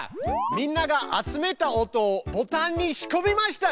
みんなが集めた音をボタンにしこみましたよ。